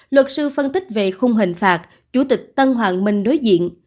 luật sư phân tích về khung hình phạt chủ tịch tân hoàng minh đối diện